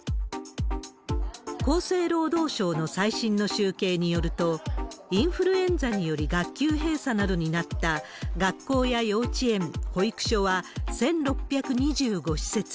厚生労働省の最新の集計によると、インフルエンザにより学級閉鎖などになった学校や幼稚園、保育所は１６２５施設。